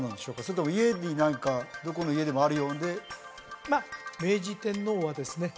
それとも家に何かどこの家でもあるようでまあ明治天皇はですね